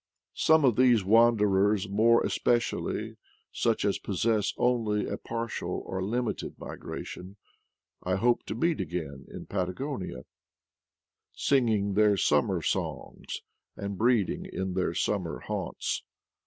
Some of these wanderers, more es pecially such as possess only a partial or limited migration, I hoped to meet again in Patagonia, singing their summer songs, and breeding in their summer haunts.